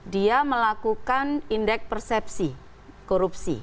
dia melakukan indeks persepsi korupsi